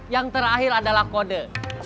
yang terakhir adalah kode